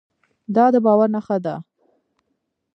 دا د باور نښه ده.